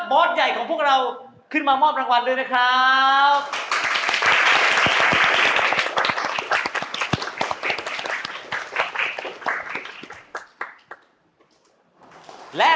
อสใหญ่ของพวกเราขึ้นมามอบรางวัลด้วยนะครับ